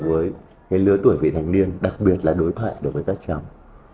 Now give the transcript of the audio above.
đối thoại với lứa tuổi vị thành niên đặc biệt là đối thoại với các chồng